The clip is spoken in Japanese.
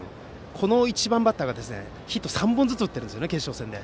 この１番バッターがヒット３本ずつ打っているんです決勝戦で。